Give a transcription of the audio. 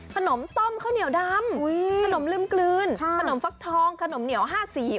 ขนมต้มข้าวเหนียวดำขนมลืมกลืนขนมฟักทองขนมเหนียว๕สี